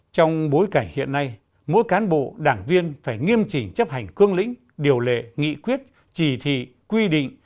trong bối cảnh hiện nay mỗi cán bộ đảng viên phải nghiêm chỉnh chấp hành cương lĩnh điều lệ nghị quyết chỉ thị quy định